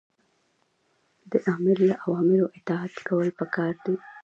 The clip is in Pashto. د آمر له اوامرو اطاعت کول پکار دي.